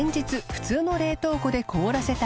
普通の冷凍庫で凍らせた